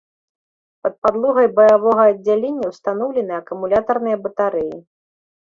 Пад падлогай баявога аддзялення ўстаноўлены акумулятарныя батарэі.